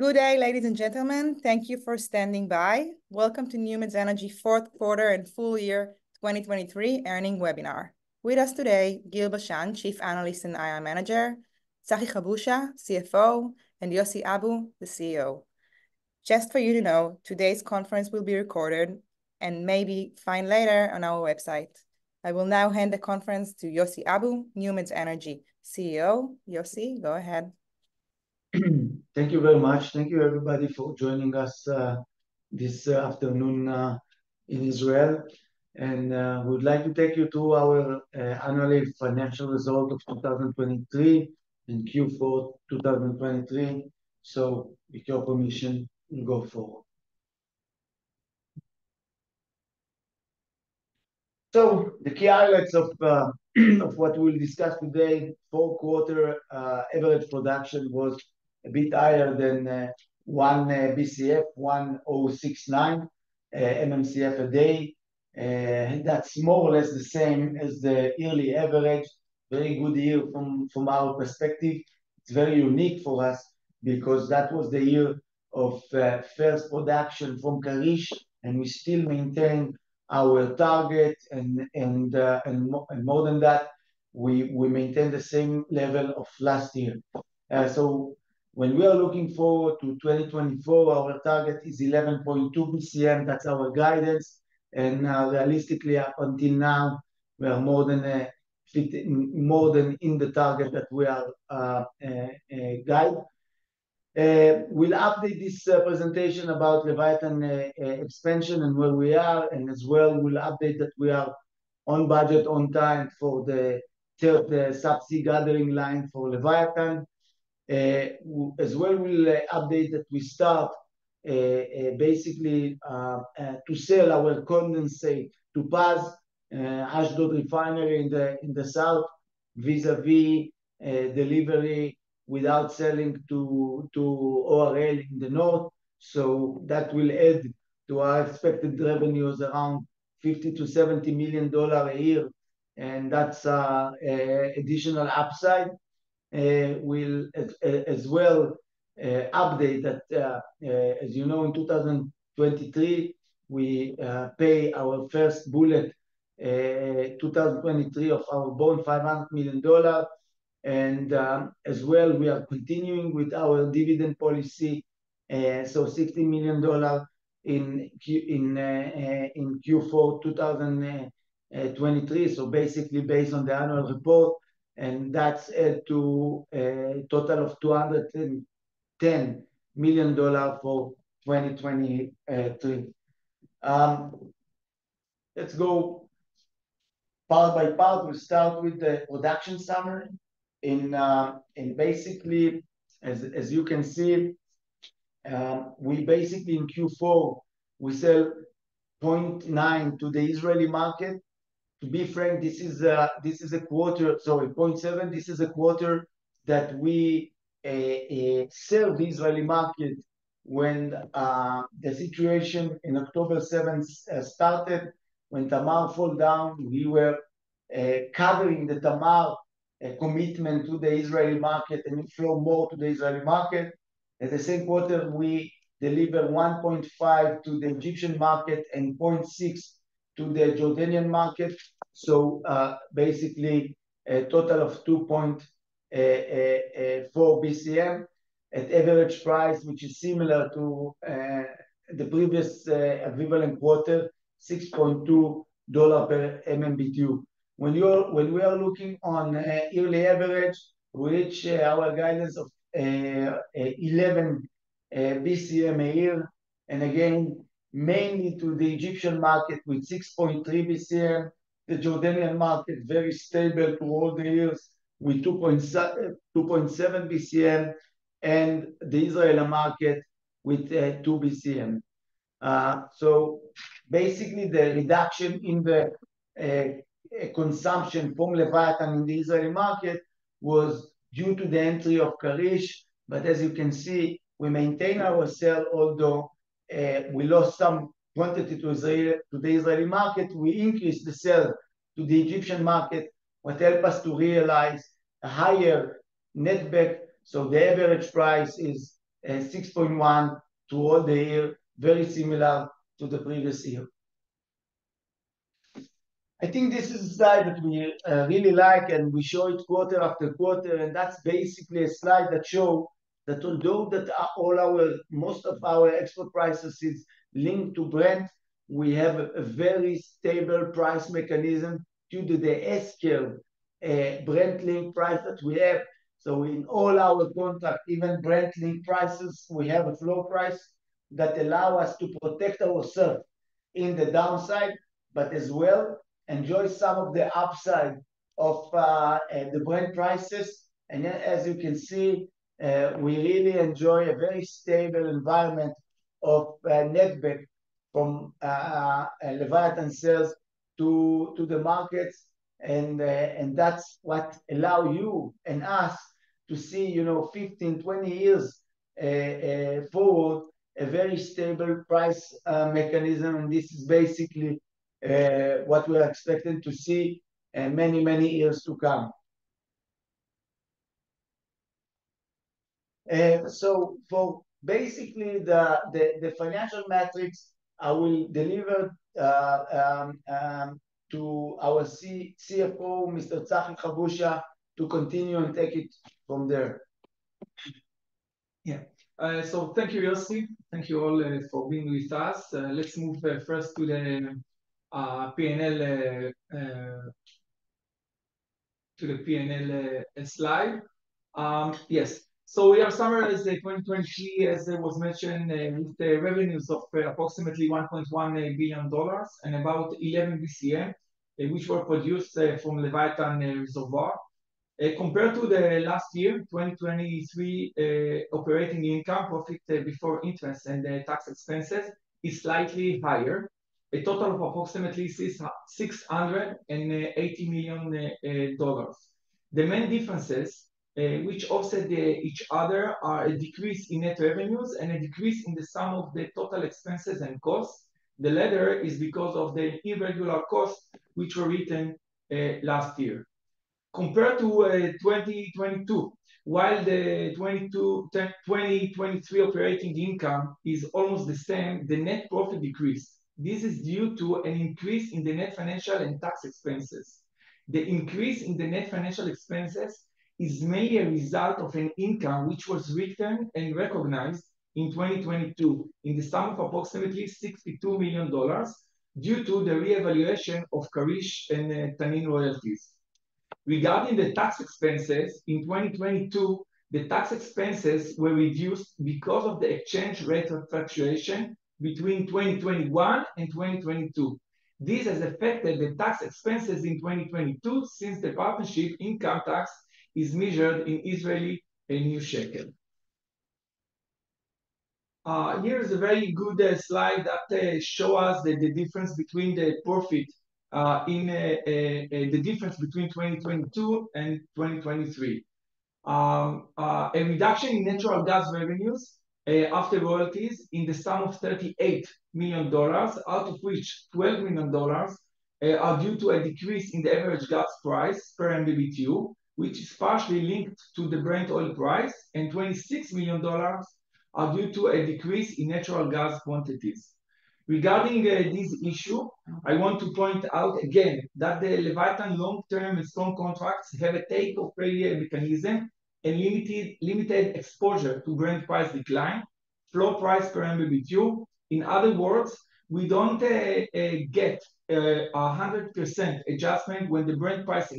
Good day, ladies and gentlemen. Thank you for standing by. Welcome to NewMed Energy's Fourth Quarter and Full Year 2023 Earnings Webinar. With us today, Guil Bashan, Chief Analyst and IR Manager, Tzachi Habusha, CFO, and Yossi Abu, the CEO. Just for you to know, today's conference will be recorded and may be found later on our website. I will now hand the conference to Yossi Abu, NewMed Energy's CEO. Yossi, go ahead. Thank you very much. Thank you, everybody, for joining us this afternoon in Israel. We would like to take you through our annual financial result of 2023 and Q4 2023. With your permission, we'll go forward. The key highlights of what we'll discuss today: fourth quarter average production was a bit higher than 1 BCF, 1,069 MMCF a day. That's more or less the same as the yearly average. Very good year from our perspective. It's very unique for us because that was the year of first production from Karish, and we still maintain our target. More than that, we maintain the same level of last year. When we are looking forward to 2024, our target is 11.2 BCM. That's our guidance. And realistically, up until now, we are more than in the target that we are guided. We'll update this presentation about Leviathan expansion and where we are. And as well, we'll update that we are on budget on time for the subsea gathering line for Leviathan. As well, we'll update that we start basically to sell our condensate to Paz Ashdod Refinery in the south vis-à-vis delivery without selling to ORL in the north. So that will add to our expected revenues around $50-$70 million a year. And that's an additional upside. We'll as well update that, as you know, in 2023, we pay our first bullet 2023 of our bond, $500 million. And as well, we are continuing with our dividend policy, so $60 million in Q4 2023. So basically based on the annual report. And that's added to a total of $210 million for 2023. Let's go part by part. We'll start with the production summary. Basically, as you can see, basically in Q4, we sell 0.9 to the Israeli market. To be frank, this is a quarter—sorry, 0.7. This is a quarter that we sell the Israeli market when the situation in October 7th started. When Tamar fell down, we were covering the Tamar commitment to the Israeli market and flow more to the Israeli market. At the same quarter, we deliver 1.5 to the Egyptian market and 0.6 to the Jordanian market. So basically, a total of 2.4 BCM at average price, which is similar to the previous equivalent quarter, $6.2 per MMBtu. When we are looking on yearly average, we reach our guidance of 11 BCM a year. And again, mainly to the Egyptian market with 6.3 BCM. The Jordanian market, very stable through all the years with 2.7 BCM. And the Israeli market with 2 BCM. So basically, the reduction in the consumption from Leviathan in the Israeli market was due to the entry of Karish. But as you can see, we maintain our sale, although we lost some quantity to the Israeli market. We increased the sale to the Egyptian market, what helped us to realize a higher netback. So the average price is 6.1 throughout the year, very similar to the previous year. I think this is a slide that we really like, and we show it quarter after quarter. And that's basically a slide that shows that although most of our export prices are linked to Brent, we have a very stable price mechanism due to the S-curve Brent-linked price that we have. So in all our contract, even Brent-linked prices, we have a floor price that allows us to protect ourselves in the downside, but as well enjoy some of the upside of the Brent prices. And as you can see, we really enjoy a very stable environment of netback from Leviathan sales to the markets. And that's what allows you and us to see 15, 20 years forward a very stable price mechanism. And this is basically what we are expecting to see many, many years to come. So basically, the financial metrics, I will deliver to our CFO, Mr. Tzachi Habusha, to continue and take it from there. Yeah. So thank you, Yossi. Thank you all for being with us. Let's move first to the P&L slide. Yes. So we have summarized 2023, as was mentioned, with revenues of approximately $1.1 billion and about 11 BCM, which were produced from Leviathan reservoir. Compared to the last year, 2023 operating income, profit before interest, and tax expenses is slightly higher. A total of approximately $680 million. The main differences, which offset each other, are a decrease in net revenues and a decrease in the sum of the total expenses and costs. The latter is because of the irregular costs, which were written last year. Compared to 2022, while the 2023 operating income is almost the same, the net profit decreased. This is due to an increase in the net financial and tax expenses. The increase in the net financial expenses is mainly a result of an income which was written and recognized in 2022 in the sum of approximately $62 million due to the reevaluation of Karish and Tanin royalties. Regarding the tax expenses, in 2022, the tax expenses were reduced because of the exchange rate of fluctuation between 2021 and 2022. This has affected the tax expenses in 2022 since the partnership income tax is measured in Israeli New Shekel. Here is a very good slide that shows us the difference between the profit in the difference between 2022 and 2023. A reduction in natural gas revenues after royalties in the sum of $38 million, out of which $12 million are due to a decrease in the average gas price per MMBtu, which is partially linked to the Brent oil price, and $26 million are due to a decrease in natural gas quantities. Regarding this issue, I want to point out again that the Leviathan long-term and strong contracts have a takeoff failure mechanism and limited exposure to Brent price decline, floor price per MMBtu. In other words, we don't get a 100% adjustment when the Brent price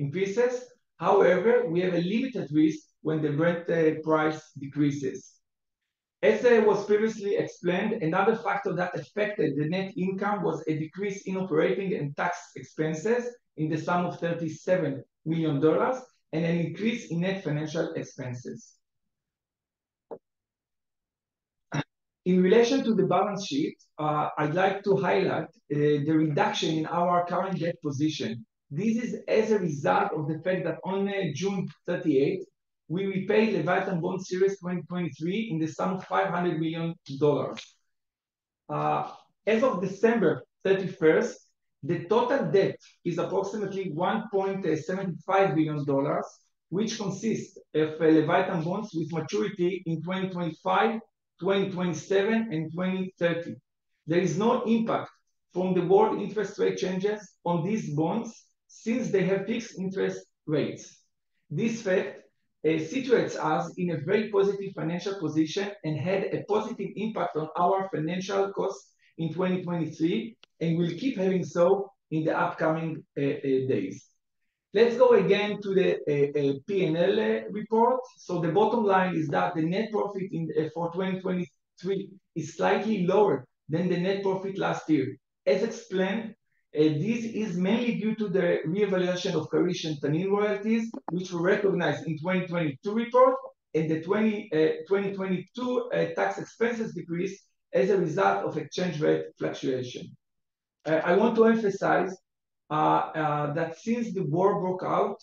increases. However, we have a limited risk when the Brent price decreases. As was previously explained, another factor that affected the net income was a decrease in operating and tax expenses in the sum of $37 million and an increase in net financial expenses. In relation to the balance sheet, I'd like to highlight the reduction in our current debt position. This is as a result of the fact that on June 30th, we repaid Leviathan Bond Series 2023 in the sum of $500 million. As of December 31st, the total debt is approximately $1.75 billion, which consists of Leviathan Bonds with maturity in 2025, 2027, and 2030. There is no impact from the world interest rate changes on these bonds since they have fixed interest rates. This fact situates us in a very positive financial position and had a positive impact on our financial costs in 2023 and will keep having so in the upcoming days. Let's go again to the P&L report. So the bottom line is that the net profit for 2023 is slightly lower than the net profit last year. As explained, this is mainly due to the reevaluation of Karish and Tanin royalties, which were recognized in the 2022 report, and the 2022 tax expenses decreased as a result of exchange rate fluctuation. I want to emphasize that since the war broke out,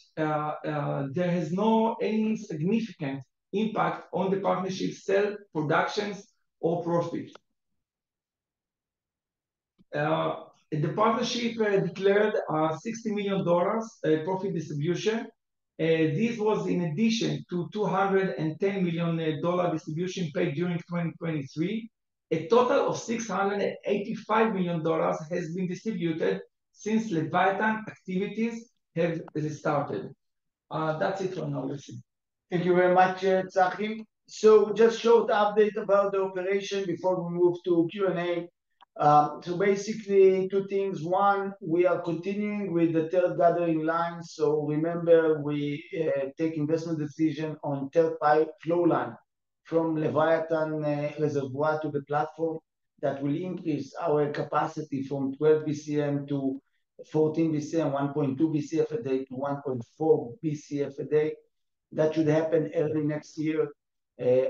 there has been no significant impact on the partnership's sale productions or profit. The partnership declared a $60 million profit distribution. This was in addition to $210 million distribution paid during 2023. A total of $685 million has been distributed since Leviathan activities have started. That's it for now, Yossi. Thank you very much, Tzachi. So just a short update about the operation before we move to Q&A. So basically, two things. One, we are continuing with the third gathering line. So remember, we take investment decisions on the third flow line from Leviathan reservoir to the platform that will increase our capacity from 12 BCM to 14 BCM, 1.2 BCF a day to 1.4 BCF a day. That should happen early next year.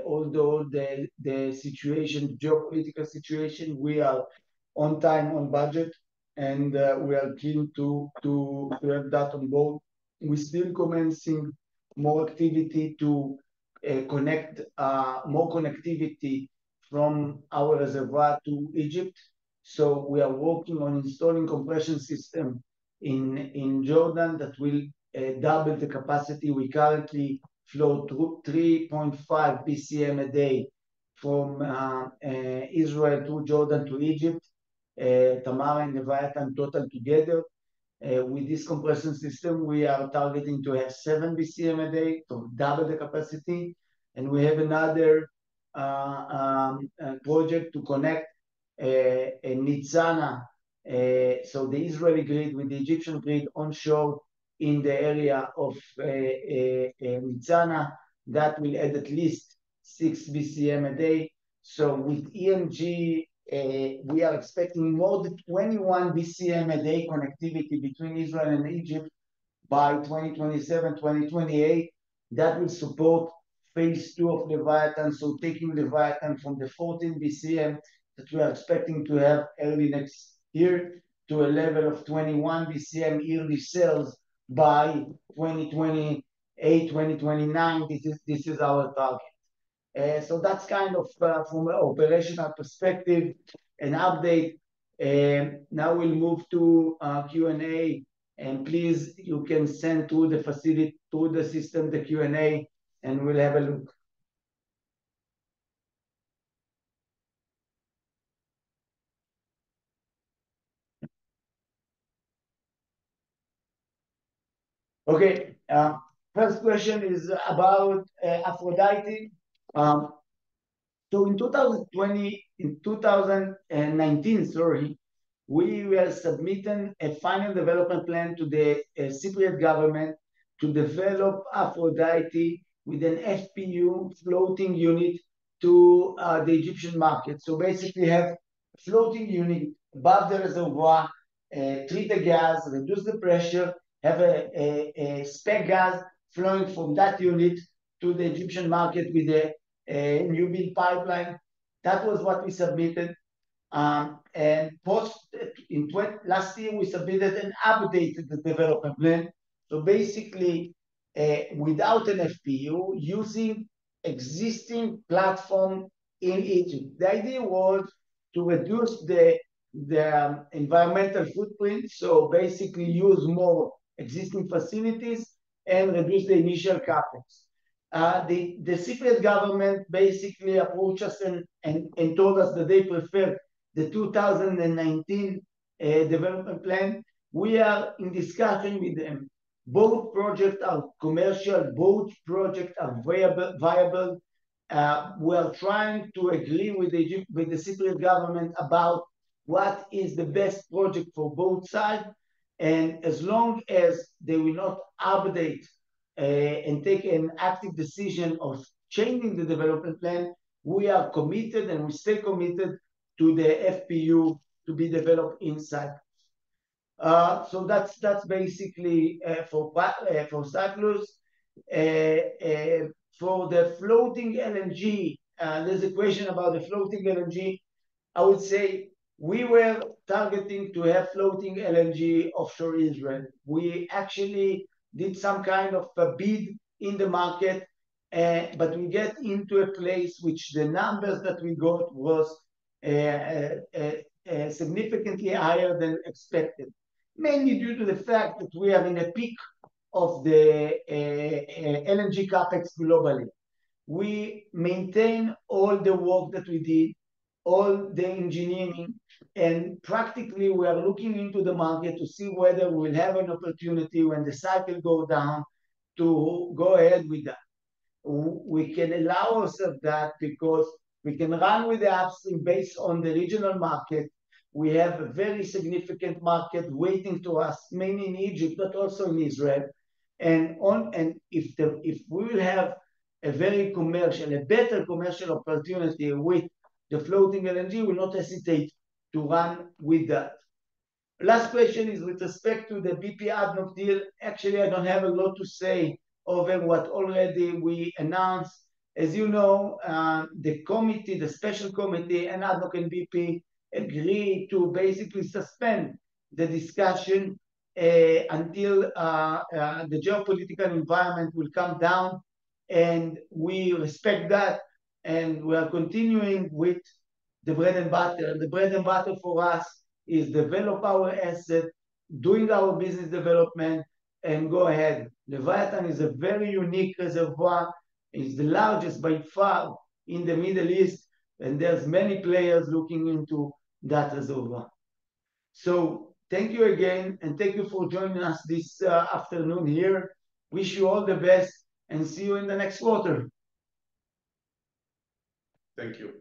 Although the geopolitical situation, we are on time, on budget, and we are keen to have that on board. We're still commencing more activity to connect more connectivity from our reservoir to Egypt. So we are working on installing a compression system in Jordan that will double the capacity. We currently flow 3.5 BCM a day from Israel to Jordan to Egypt, Tamar and Leviathan total together. With this compression system, we are targeting to have 7 BCM a day to double the capacity. And we have another project to connect Nitzana, so the Israeli grid with the Egyptian grid onshore in the area of Nitzana that will add at least 6 BCM a day. So with EMG, we are expecting more than 21 BCM a day connectivity between Israel and Egypt by 2027, 2028. That will support phase two of Leviathan. So taking Leviathan from the 14 BCM that we are expecting to have early next year to a level of 21 BCM yearly sales by 2028, 2029. This is our target. So that's kind of from an operational perspective, an update. Now we'll move to Q&A. And please, you can send to the system the Q&A, and we'll have a look. Okay. First question is about Aphrodite. So in 2019, sorry, we were submitting a final development plan to the Cypriot government to develop Aphrodite with an FPU floating unit to the Egyptian market. So basically, have a floating unit above the reservoir, treat the gas, reduce the pressure, have a spare gas flowing from that unit to the Egyptian market with a new build pipeline. That was what we submitted. And last year, we submitted an updated the development plan. So basically, without an FPU, using existing platforms in Egypt. The idea was to reduce the environmental footprint. So basically, use more existing facilities and reduce the initial Capex. The Cypriot government basically approached us and told us that they preferred the 2019 development plan. We are in discussion with them. Both projects are commercial. Both projects are viable. We are trying to agree with the Cypriot government about what is the best project for both sides. As long as they will not update and take an active decision of changing the development plan, we are committed and we stay committed to the FPU to be developed in Cyprus. That's basically for Cyprus. For the floating LNG, there's a question about the floating LNG. I would say we were targeting to have floating LNG offshore Israel. We actually did some kind of a bid in the market, but we got into a place which the numbers that we got were significantly higher than expected, mainly due to the fact that we are in a peak of the LNG Capex globally. We maintain all the work that we did, all the engineering, and practically, we are looking into the market to see whether we'll have an opportunity when the cycle goes down to go ahead with that. We can allow ourselves that because we can run with the upstream based on the regional market. We have a very significant market waiting for us, mainly in Egypt, but also in Israel. And if we will have a better commercial opportunity with the floating LNG, we'll not hesitate to run with that. Last question is with respect to the BP-ADNOC deal. Actually, I don't have a lot to say over what already we announced. As you know, the special committee and ADNOC and BP agreed to basically suspend the discussion until the geopolitical environment will come down. And we respect that. And we are continuing with the bread and butter. The bread and butter for us is developing our assets, doing our business development, and go ahead. Leviathan is a very unique reservoir. It's the largest by far in the Middle East. There are many players looking into that reservoir. Thank you again, and thank you for joining us this afternoon here. Wish you all the best, and see you in the next quarter. Thank you.